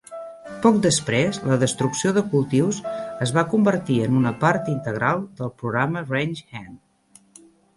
Poc després, la destrucció de cultius es va convertir en una part integral del programa "Ranch Hand".